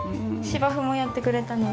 芝生もやってくれたの？